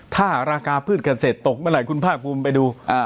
ถ้าราคาพืชเกษตรตกเมื่อไหร่คุณภาคภูมิไปดู